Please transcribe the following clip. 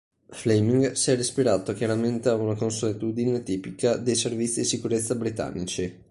Fleming si era ispirato chiaramente a una consuetudine tipica dei servizi di sicurezza britannici.